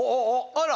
あら！